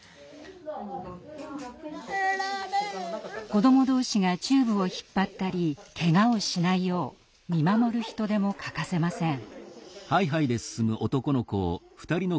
子ども同士がチューブを引っ張ったりけがをしないよう見守る人手も欠かせません。